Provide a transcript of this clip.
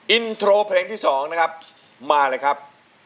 อินโทรเพลงที่๒นะครับมาเลยครับ